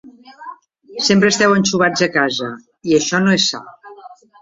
Sempre esteu anxovats a casa, i això no és sa.